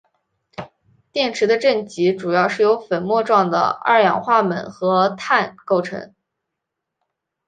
电池的正极主要是由粉末状的二氧化锰和碳构成。